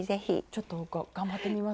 ちょっと頑張ってみます。